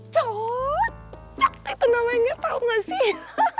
cocok itu namanya tau gak sih